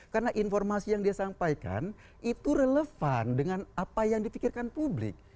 karena informasi yang disampaikan itu relevan dengan apa yang dipikirkan publik